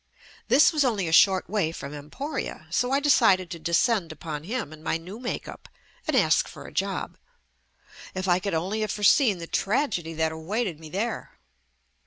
This was only a short way from Em poria, so I decided to descend upon him in my new makeup and ask for a job. If I could only have foreseen the tragedy that awaited me there.